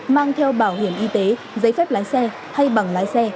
mang theo bảo hiểm y tế giấy phép lái xe hay bằng lái xe